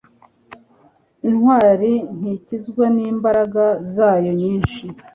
intwari ntikizwa n imbaraga zayo nyinshi